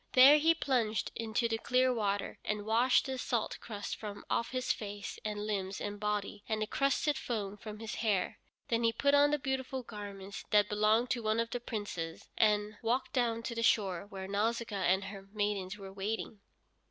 There he plunged into the clear water, and washed the salt crust from off his face and limbs and body, and the crusted foam from his hair. Then he put on the beautiful garments that belonged to one of the Princes, and walked down to the shore where Nausicaa and her maidens were waiting.